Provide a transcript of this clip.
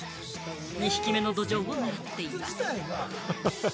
２匹目のドジョウを狙っています。